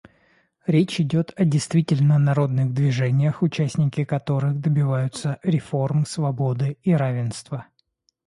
Речь идет о действительно народных движениях, участники которых добиваются реформ, свободы и равенства.